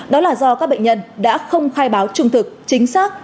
đó là do các bệnh nhân đã không khai báo trung thực chính xác